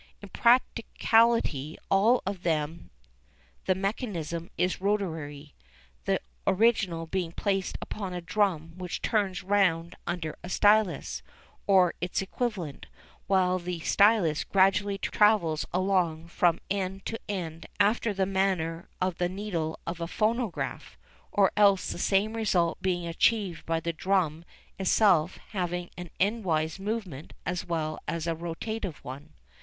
In practically all of them the mechanism is rotatory, the original being placed upon a drum which turns round under a stylus, or its equivalent, while the stylus gradually travels along from end to end after the manner of the needle of a phonograph, or else the same result being achieved by the drum itself having an endwise movement as well as a rotative one.